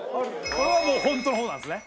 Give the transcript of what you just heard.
これはもう本当の方なんですね。